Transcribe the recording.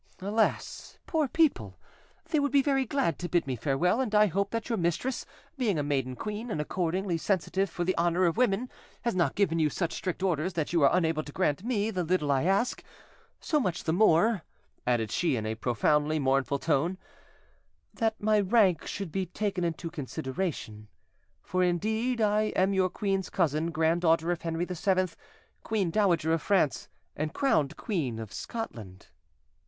Alas! poor people! they would be very glad to bid me farewell; and I hope that your mistress, being a maiden queen, and accordingly sensitive for the honour of women, has not given you such strict orders that you are unable to grant me the little I ask; so much the more," added she in a profoundly mournful tone, "that my rank should be taken into consideration; for indeed I am your queen's cousin, granddaughter of Henry VII, Queen Dowager of France and crowned Queen of Scotland."